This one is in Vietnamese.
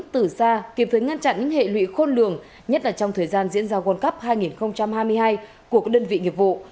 từ xa kịp thời ngăn chặn những hệ lụy khôn lường nhất là trong thời gian diễn ra world cup hai nghìn hai mươi hai của các đơn vị nghiệp vụ